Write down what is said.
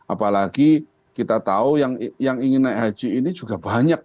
apalagi kita tahu yang ingin naik haji ini juga banyak